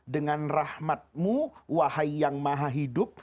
dengan rahmatmu wahai yang maha hidup